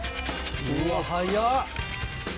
うわ速っ。